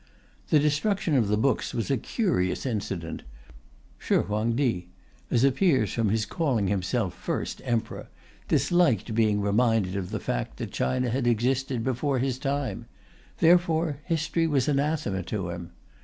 The destruction of the books was a curious incident. Shih Huang Ti, as appears from his calling himself "First Emperor," disliked being reminded of the fact that China had existed before his time; therefore history was anathema to him.